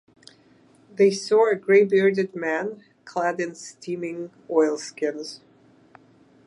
They saw a gray-bearded man clad in steaming oilskins.